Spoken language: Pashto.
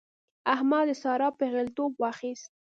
احمد د سارا پېغلتوب واخيست.